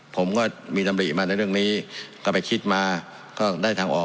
ผมก็มีดำริมาในเรื่องนี้ก็ไปคิดมาก็ได้ทางออก